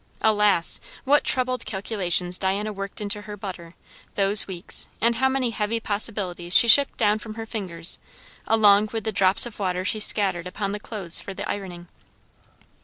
Alas! what troubled calculations Diana worked into her butter, those weeks; and how many heavy possibilities she shook down from her fingers along with the drops of water she scattered upon the clothes for the ironing.